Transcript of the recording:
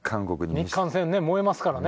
日韓戦ね燃えますからね。